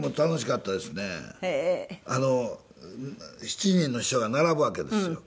七人の秘書が並ぶわけですよ。